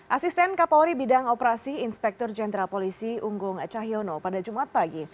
asisten kapolri bidang operasi inspektur jenderal polisi unggung cahyono pada jumat pagi